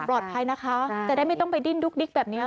ปลอดภัยนะคะจะได้ไม่ต้องไปดิ้นดุ๊กแบบนี้